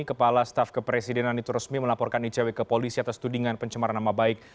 kepala staf kepresidenan itu resmi melaporkan icw ke polisi atas tudingan pencemaran nama baik